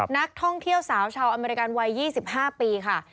นักท่องเที่ยวสาวชาวอเมริกันวัย๒๕ปีค่ะ